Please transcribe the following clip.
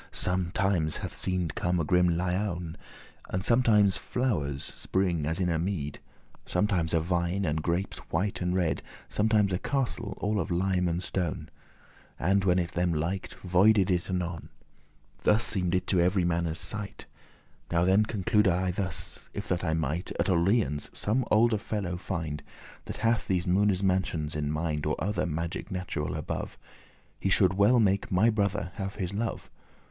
Sometimes hath seemed come a grim lioun, And sometimes flowers spring as in a mead; Sometimes a vine, and grapes white and red; Sometimes a castle all of lime and stone; And, when them liked, voided* it anon: *vanished Thus seemed it to every manne's sight. Now then conclude I thus; if that I might At Orleans some olde fellow find, That hath these Moone's mansions in mind, Or other magic natural above. He should well make my brother have his love.